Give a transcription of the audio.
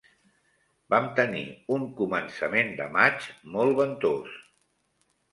Vam tenir un començament de maig molt ventós.